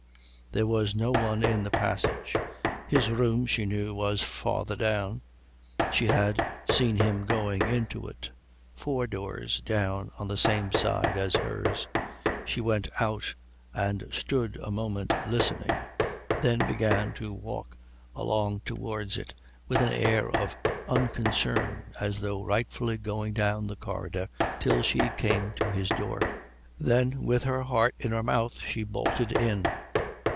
There was no one in the passage. His room, she knew, was farther down; she had seen him going into it, four doors down on the same side as hers. She went out and stood a moment listening, then began to walk along towards it with an air of unconcern as though rightfully going down the corridor till she came to his door; then with her heart in her mouth she bolted in.